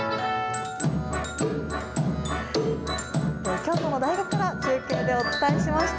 京都の大学から、中継でお伝えしました。